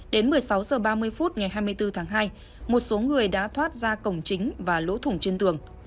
đến một mươi sáu h ba mươi phút ngày hai mươi bốn tháng hai một số người đã thoát ra cổng chính và lỗ thủng trên tường